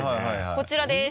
こちらです。